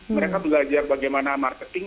mereka belajar bagaimana marketing